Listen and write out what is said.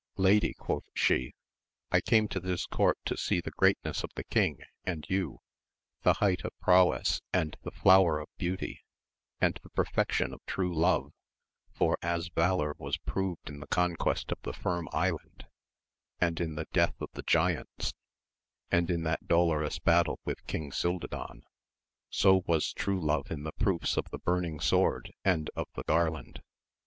Lady, quoth she, I came to this court to see the greatness of the king and you, the height of prowess and the flower of beauty, and the perfection of true love ; for as valour was proved in the conquest of the Firm Island, and in the death of the giants, and in that dolorous battle with King Cildadan, so was true love in the proofs of the burning sword and of the garland.